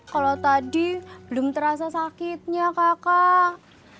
kalau tadi belum terasa sakitnya kakak